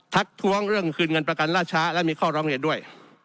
ทักท้วงเรื่องคืนเงินประกันล่าช้าและมีข้อร้องเรียนด้วย